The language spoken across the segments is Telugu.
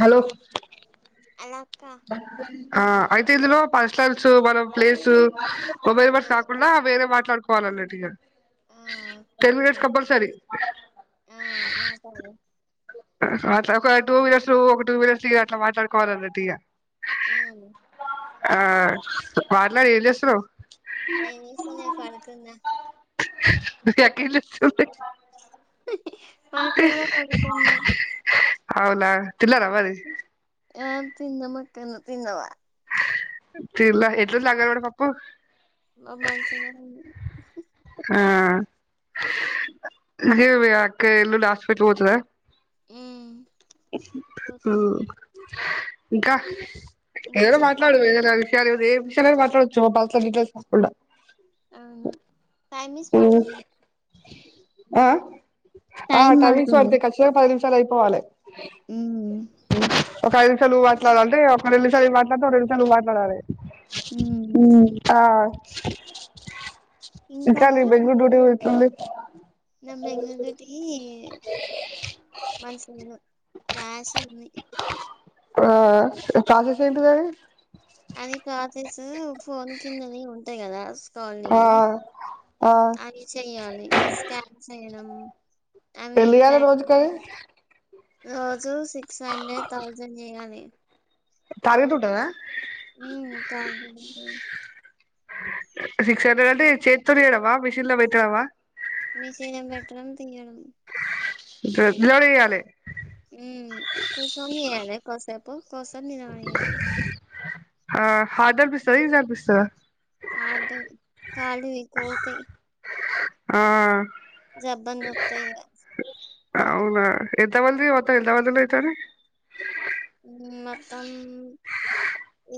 హలో అలో ఆ అయితే ఇందులో పర్సనల్సు మన ప్లేసు ఆ ఒమీమెర్స్ కాకుండా వేరే మాట్లాడుకోవాలి అన్నట్టుఇగా ఆ okay ten okay minutes compulsory ఆ మాట్లాడు అట్లా ఒక టూ మినిట్స్ ఒక టూ మినిట్స్ ఇగ అట్లా మాట్లాడుకోవాలన్నట్టు ఇగ ఆవును ఆ మాట్లాడు ఏం చేస్తున్నవ్ ఏం చేస్తలేను పడుకున్నా మీ అక్క ఏం చేస్తుంది మా అక్క కూడా పడుకోనుంది. అవునా తిన్నారా మరి ఆ తిన్నం అక్క నువ్వు తిన్నావా తిన్న ఎట్లుంది అంగడివాడి పప్పు ఆ మంచిగానే ఉంది ఆ ఇగా మీ అక్క ఎల్లుండి హాస్పిటల్ పోతదా ఉ ఇంకా ఇంకా ఏదైనా మాట్లాడు చెప్పాలి ఏదైనా విషాలు ఏ విషయాలు అయినా మాట్లాడవచ్చు మా పల్సర్ డీటెయిల్స్ కాకుండా అవును టైమ్ ఇస్ పడుతుంది ఆ ఆ టైం టైమింగ్స్ పడుతుంది పడితేయి ఖచ్చితంగా పది నిమిషాలు అయిపోవాలే ఉమ్ ఒక ఐదు నిమిషాలు మాట్లాడాలంటే ఒక రెండు సార్లు నేను మాట్లాడత ఒక రెండుసార్లు నువ్వు మాట్లాడాలి ఉమ్ ఉ ఆ ఇంకా నీ బెంగళూరు డ్యూటీ ఎట్లుంది నా బెంగళూరు డ్యూటీ మంచిగాలేదు రాసింది ఆ ప్రాసెస్ ఏంటిది అది కిల్స్ ఫోన్ కిందనే ఉంటాయి కదా ఆ స్కానింగ్ ఆ అది చెయ్యాలి స్కాన్ చేయడం అవి ఎన్ని జేయాలే ప్యాక్ రోజుకి చే అవి రోజు సిక్స్ హండ్రెడ్ థౌజండ్ చేయాలి టార్గెట్ ఉంటదా ఉ [unintelligible] సిక్స్ హండ్రెడ్ అంటే చేత్తోచేయడమా మిషిన్లో పెట్టడమా మిషన్లో పెట్టడం తీయడం డబ్బున జేయాలి ఊ కూసోన్ చేయాలి కాసేపు కొసేపు నిలబడి చేయాలి ఆ హార్డనిపిస్తాద ఈజీ అనిపిస్తద కాళ్ళు కాళ్ళు వీకోగుతయి. ఆ జబ్బల్ నొతయిగా అవునా ఎంత మంది మొత్తం ఎంత మంది నీతోని మొత్తం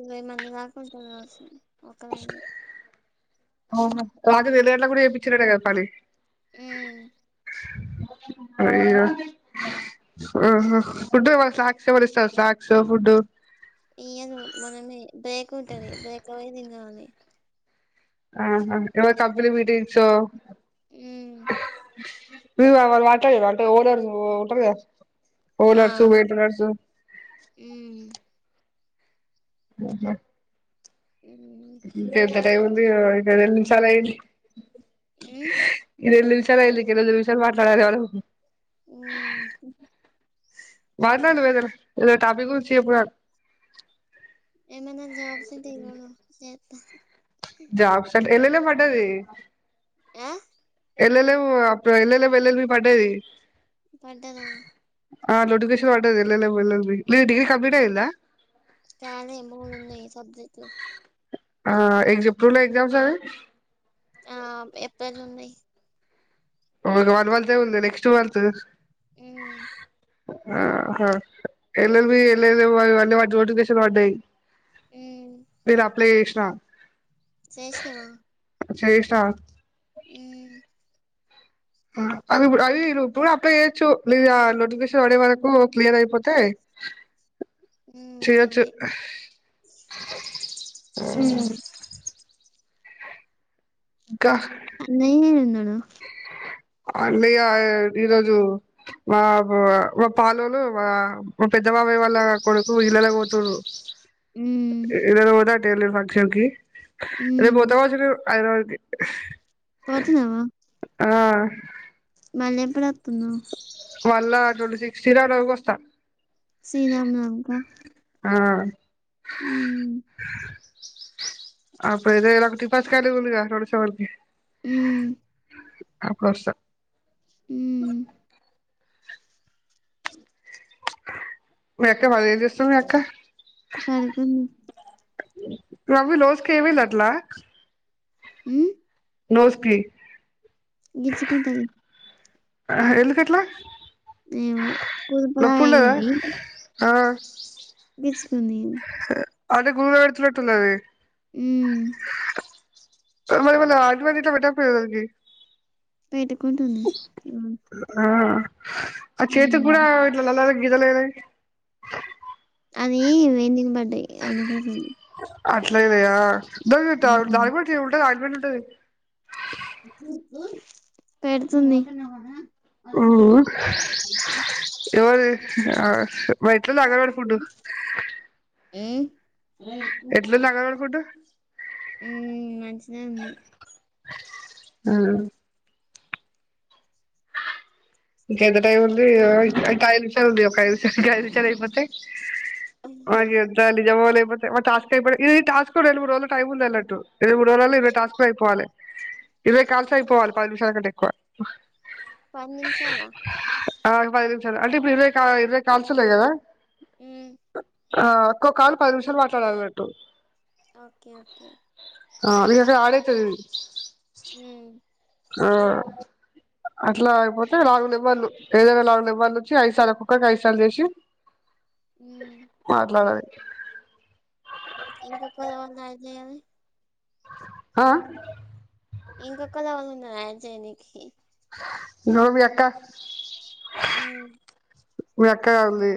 ఇరవై మంది దాకుంటరు కావచ్చు ఒకలైను అవునా రాత్రి రెండు గంటలకు కూడా చేపించిండట కదా పని ఊ అయ్యో ఆహా ఫుడ్ ఏమన్న స్నాక్స్ ఇస్తారు స్నాక్స్ ఫుడ్డు ఇయరు మనమే బ్రేక్ ఉంటంది బ్రేక్ ల వోయి తినాలి ఆహా ఎవరు [unintelligible] సో హ్మ్. మీవా వాళ్ళు మాట్లాడ అంటే ఓనర్ ఉంటరు కదా ఆ! ఓనర్సు వెయిటనర్సు హ్మ్. ఆహా హ్మ్. ఇంక ఎంత టైం ఉంది ఓ ఇంక రెండు నిముషాలు ఐంది ఉమ్ ఈ రెండ్ నిమిష్ [unintelligible] నివమిషలు మాట్లాడాలి ఎవలు ఊ హూ హూ ఈ రోజ్ టాపిక్ గురించి చెప్ నాకు ఏమన జాబ్ ఉంటే చూడు చేత జాబ్స్ అంటే అన్నెనో పడ్డది ఆ ఎల్లలేవు ఆ అప్ ఎలలేవ్ ఎల్ ఎల్ బీ పడది పడ్డదా ఆ నోటిఫికేషన్ పడ్డది ఎల్ ఎల్ ఎల్ ఇల్ దీ నీది డిగ్రీ కంప్లీట్ అయిందా కాలే మూడు ఉన్నయి సబ్జెక్ట్లు ఆ ఏం చెప్తుండే ఎగ్జామ్స్ అవి ఆ ఏప్రిల్ ల ఉన్నయి అవును వన్ మంత్ ఏ ఉంది నెక్స్ట్ మంత్ ఊ ఆహా L L B L L అవన్ని వాటి నోటిఫికేషన్ వడయ్ ఉమ్ నేను అప్లై చేసినా చేసినవా చేసిన ఉమ్ ఆ అవి ఇప్పుడు అవి నువ్వు ఇప్పుడు కూడా అప్లై చేయొచ్చు న ఆ నోటిఫికేషన్ పడే వరకు క్లియర్ అయిపోతే ఉమ్ చేయొచ్చు అదే ఉ ఇంకా నేనా అన్నయ్య ఈరోజు మా మా పాలులు మా మా పెద్ద బాబాయ్య వాళ్ళ కొడుకు ఇలానే పోతడు ఉమ్ ఈనెల పోతావా టైలర్ ఫంక్షన్ కి రేపు ఉమ్ పోతా కావచ్చు హైదరాబాద్ గ పోతున్నావా ఆ మళ్లీ ఎప్పుడు వత్తున్నావ్ వళ్ళ ట్వంటీ సిక్స్ తరాకి వస్తా సీనామనవమికా ఆ ఉ అప్పుడు ఇదలా ఒకటిపాస్ కాాల ఉందిగా థోడస వల్కి ఊ అప్పుడుస్త ఉమ్ [unintelligible] మీ అక్క మరి ఏం చేస్తం మీ అక్క పడుకుంది రవి నోస్ కి ఏమైంది అట్లా ఎమ్ నోస్ కి గిచ్చుకుంటది, ఎందుకట్లా ఎమో కుల్పలా నొప్పి ఉండదా అయింది, ఆ గిచ్చుకుంది, అది కూడా ఏడిచిపెటలేదు అది ఉ మరి ఏమన్నా ఆయింట్మెంట్ గిట్ల పెట్టకపోయిరు, పెట్టుకున్నది ఆ ఆ చేతి కూడా ఇట్లా నల్ల నల్ల గీతలు అది వెడి నీళ్లు పడాయి అందుకోసం అట్లయినయా హ్మ్ దానికి కూడా ఆయింట్మెంట్ ఉంటది, పెడుతుంది. ఉహు ఎవరి ఆ మా ఇంటి ఎట్లా తగ్గదంట పుండు ఏ ఎట్ల తగ్గదనుకుంటా ఉ మంచిదే ఉంది ఆ ఇంకా ఎంత టై ఉంది ఇగా పది నిముషాలు ఉంది ఐదు నిముషాలు ఉంది ఒక ఐదులు ఐదు విషలు అయిపోతే, ఆమె చెప్తాంది నిజమో లేపోతే టాస్క్ ఈ టస్క్ కూడా రె మూడు రోజు టైం ఉందిదున్నటు ఎవ మూడు వజలల్లో ఇరై టాస్క్లు అయిపోాలి, ఇరవై కాల్స్ అయిపోవాలి పది నిమిషాల కంటే ఎక్కువ, పది నిమిషాల ఆ పది నిమిషాలు అంటే ఇప్పుడు ఇరవై కా ఇరవై కాల్స్ ఉన్నాయి కదా ఉ ఆ ఒక్కొ కాల్ పది నిమిషాలు మాట్లాడాలినట్టు, ఓకే ఓకే ఆ అది ఎ ఆడైతది, హు ఆ అట్లా అయిపోతే నాలుగు నెంబర్ లు ఏదైనా నాలుగు నెంబర్లు వచ్చి ఐదు సార్ల ఒక్కరి కి ఐదు సార్లు చేసి హ్మ్ మాట్లాాడాలి ఇంకా ఒకలవన అయితాయా, ఆ ఇంకా ఒక్కలు ఎవళ్ళు ఉన్నరు ఐదు చేయానికి, నువ్వు మీ అక్క హ్మ్ మీ అక్క కాదు లే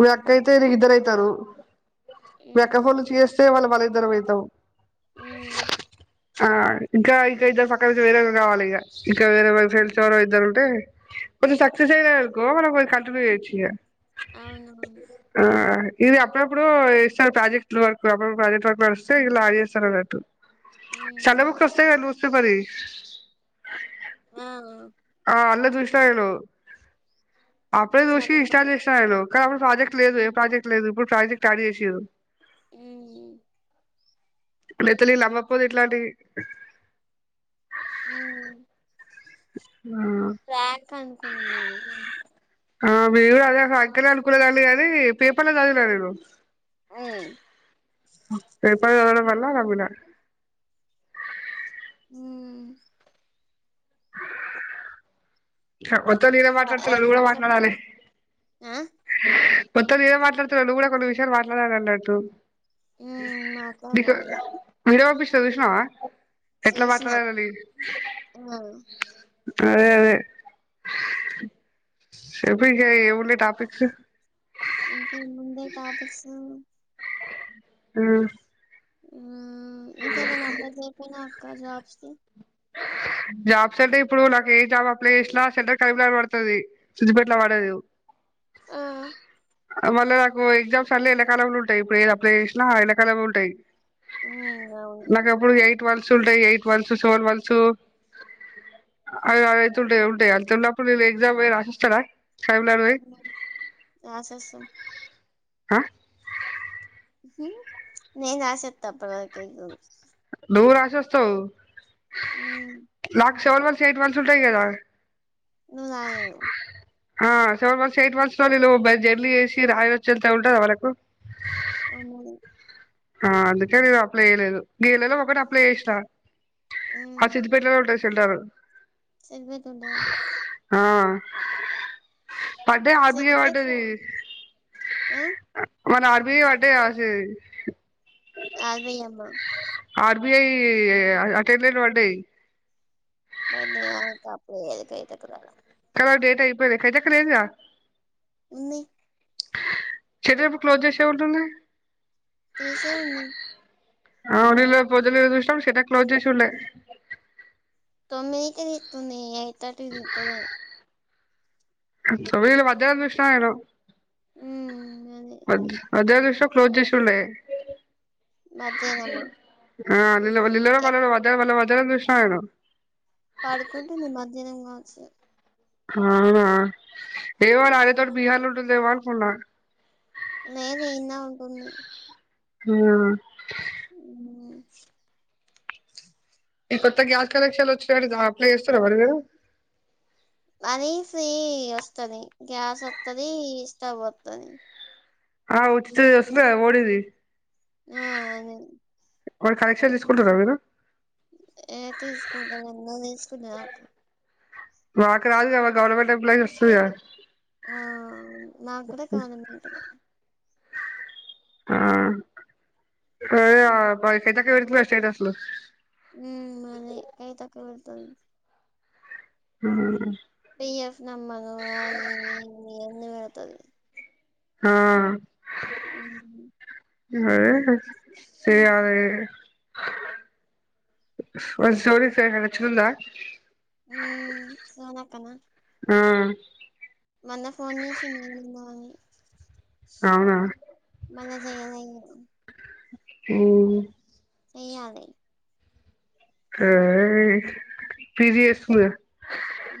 మీ అక్క అయితే ఇద్దరు అయితారు, మీ అక్క హ్మ్ ఫోన్ నుంచి చేస్తే మళ్ల మనం ఇద్దరంమవుతాం ఉ ఆ ఇంకా ఇక ఇద్దరు పక్కన నుంచి వేరే వాళ్ళు కావాలి ఇక ఇక వేరేె హ్మ్. తెలిసినోళ్లు ఎవరో ఇద్దరు ఉంటే, కొంచం సక్సెస్ అయినా అనుకో మనం కంటిన్యూ చేయొచ్చు ఇగ అవునవును ఇది అప్పుడప్పుడు ఇస్తారు ప్రాజెక్టుల వరకు అప్పుడప్పుడు ప్రాజెక్ట్ వక్ వడిస్తే ఇలా చేేస్తారు అట్టు సన్న హ్మ్ బుక్కులు వస్తే కదా న్యూస్ పేపర్ వి ఆ ఆ అళ్లా చూసిన నేను అప్పుడే చూసి సరే ఇన్స్టాల్ చేసిన నేను అక్కడ అప్పుడు ప్రాజెక్ట్ లేదు ఏ ప్రాజెక్ట్ లేదు ఇప్పుడు ప్రాజెక్ట్ స్టార్ట్ చేసారు ఉ నెతులిలు అమ్మపోదు ఇట్లాంటి రక్ అకు ఆ మీేరు అదే అక్కలే అనుకులేాలి అదది పేపర్లో చదివినా నేను ఉ పేపర్లో చదవడం వల్ల నమ్మిన ఉ మొత్తం నేనే ఇంకా మాట్లాడుతున్న ఐదు నువ్వు కూడా నిమిషాలు మాట్లాడాలి ఆ మొత్తం నేనే మాట్లాడుతున్న నువ్వు కూడా కొన్ని విషయాలు మాట్లాడాలి అన్నట్టు ఉమ్ దిశవా మాట్లాడాలి వీరా పుష్ప చూసినవా ఎట్లా చూసిన మాట్లాడాలి అని ఆ అదే అదే చెప్పు ఇంకా ఏమి ఉన్నాయి టాపిక్స్ ఇంకే ఉన్నాయి టాపిక్స్ ఆ ఆ ఇంకేమైనా అప్లై చేపిన అక్క జాబ్స్ జాబ్స్ అంటే ఇప్పుడు నాకు ఏ జాబ్ అప్లైకేషన్ సెంటర్ కరీంనగర్ పడుతాది సిుద్దిిపేటలా పడదు ఆ మళ నాకు ఎక్జామ్స్ అలా ఎండాకాలం లో ఉంటాయి ఇప్పుడు ఏది అప్లై చేసిన ఎండాకాలంలో ఉంటాయి ఉమ్ అవును నాకు అప్పుడు ఎయిట్ మంత్స్ ఉంటాయి ఎయిట్ మంత్స్ సెవన్ మంత్స్ చొ అదే అదే తుంటయా ఉంటాయా తెల్ల పులో ఇ ఎజామ్ రాసిస్తారా ఉ రాసేసం ఆ ఉనేన్ రాసేత్తా అప్పటివరకు ఎగ్జామ్స్ నువ్వు రాసి వేస్తావ్ ఉమ్ నాకు సెవెన్ మంత్స్ ఎయిట్ మంత్స్ ఉంటాయి కదా నువ్వు రాయవ్ ఆ సెవెన్ మంత్స్ ఎయిట్ మంత్స్ లో బై బై జర్నీ చేసి రాయి వచ్చి వెళ్త ఉంటది వరకు ఆమ్ముడు ఆ అందుకే నేను అప్లై చేయలేదు గీ నెల వి ఒకటి అప్లై చేసిన ఆ సిద్దిపేట్ లోనే ఉంటది సెంటర్ ఎప్పటి ఉన్నదా ఆ పడ్డే ఆపికే సెలబ్రేట్ పడ్డది ఆ మన ఆ ఫ్రీగా పడ్డాయి రాసే ఆర్ వి అమ్మ ఆర్బిఐ అటైల పడ్డాయి మ అప్పుడే హ క తాల కదా డేటా అయిపోయింది కవితక్క లేదుగా ఉంది చెడటప్పుడు క్లోజ్ చేసే ఉంటుంది తీసే ఉంది ఆ రేపొద్దున్నే చూసినం షట్టర్ క్లోజ్ చేసి ఉండే అమెతే నిీతుంది అయితాటి నితునే ఉమ్ అది [unintelligible] క్లోజ్ చేషుండే మధేనమ్మా ఆ లో ప వ వ వధన దుష్ నేను పడుకుంటు నిమధ్యాహనం కావచ్చు ఆ ఏ వాళ అరే ఉమ్ త బహార్లుంట దవాళ ఫన్నా లేదందా ఉంటున్నాయి హ ఉ ఈ కొత్త గ్యాస్ కనెక్షన్ వచ్చినడు అప్లై చేస్తారా మరి మీరు అనీ ఫ్రీ వస్తుంది గ్యాస్ వస్తుంది స్టవ్ వస్తుంది ఆ ఉచి ద వస్తాద ఓడిది ఆ అదే ఒక కాలెక్షన్ తీసుకుంట రాిన ఏ తీసుకుంటను ఎన్నో తీసుకుంటాకా మాకు రాదు క మా గవర్నమెంట్ ఎంప్లాయస్ వస్తుంది ఆ నాకుడ కానం ఏంటది ఆ అ పకాతేక వరితుస్తలు ఉ అదే కై తకుబడతుంది ఆ బఎఫ్ నమనుఅది ఎందు వెడతుది ఆా అ అదే సియది సోర సార్చందా సనక ఆ మొన్న ఫోన్ చేసి నంద అని అవునా మన చేయలే ఆ చే్యద అ ఫరిస్తుంది ఉ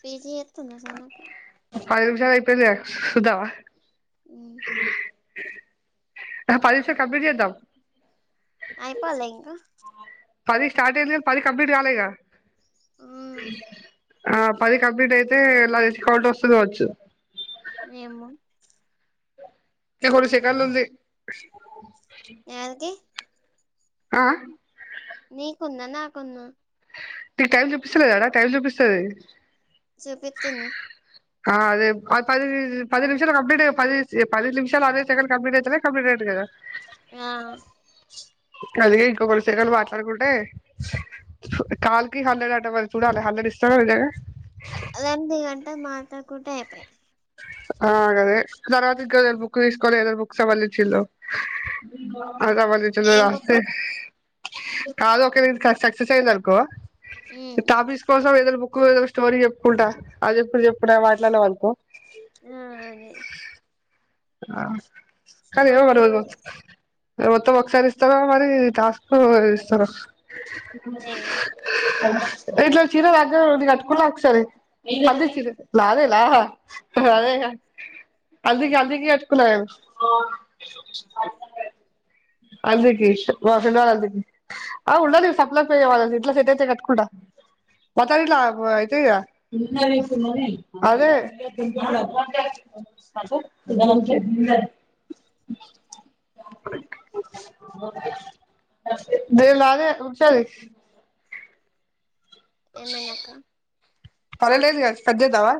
పీజీ ఎ నా సనక పద నిమిషా అయిపోయింది సదావా అ పదిష కపుపిజదా అయిపోాల ఇంకా పది స్టార్ట్ అయంది పది కంప్లీట్ కాల ఉమ్ ఆ పది కంప్లీట్ అయితే ఇలా తెచ్చ కాాలట్ వస్తుంది కావచ్చు మేము ఇంకా మూడు సేకలుంది ఎవల్కి ఆ నకున్ను నకు టైం చూపిస్తులేడా టైం చూపిస్తుది చూపిస్తుంది అదే అది పది నిమిషాలు కంప్లీట్ పది పది నిమిషాలు అదే సెకండ్ కంప్లీట్ అయితే కంప్లీట్ తుది కద ఆ అది ఇంక కొన్ని సెకండ్లు మాట్లాడుకుంటే కాల్కి హండ్రెడ్ అట మరి చూడాలి హండ్రెడ్ ఇస్తరో ఇయ్యరో ఎనిమిది గంటలు మాట్లాడుకుంటే అయిపాయ్ ఆగదే తర్వాత ఇంకో ఏ బుక్ తీసుకోవాలో ఏదైనా బుక్స్ ఎవలుతెచ్చిల్లో నాకు ఏం సంబంధించస్తే బుక్కు కాదు ఒకేల ఇది సక్సెస్ అయిందనుకో ఉమ్ టాపిక్స్ కోసం ఏదైనా బుక్ ఏదో ఒక స్టోరీ చెప్పుకుంటా అది ఇప్పుడు చెప్పుకుంట మాట్లాడినమనుకో ఆ అదే స్టోరీ బుక్ [unintelligible] మొత్తం ఒకసారే ఇస్తరో మరి టాస్క్ [unintelligible] ఇస్తరో ఏమో ఇట్లాంటి చీర నా దగ్గర కూడా ఉన్నది కట్టుకున్న ఒకసారి అదే చీర నాదేనా అదే హాల్దికి హల్దికి కట్టుకున్న నేను అ హల్దీకి మా ఫ్రెండ్ వాళ్ళ హల్దీకి ఆ ఉండనీ సప్నకి వాళ్ళ ఇట్ల సెట్ అయితే కట్టుకుంట [unintelligible] అయితయి గా అదే నాదే [unintelligible] ఏమైందక్క [unintelligible] కట్ చేద్దామా